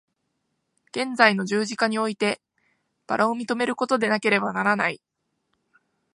現在の十字架において薔薇を認めることでなければならない。